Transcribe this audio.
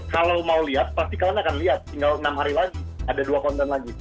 kalau mau lihat pasti kalian akan lihat tinggal enam hari lagi ada dua konten lagi